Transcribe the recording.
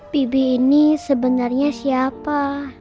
bibik ini sebenarnya siapa